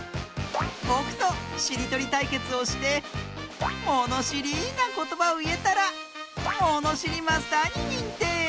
ぼくとしりとりたいけつをしてものしりなことばをいえたらものしりマスターににんてい！